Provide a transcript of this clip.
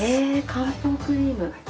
漢方クリーム。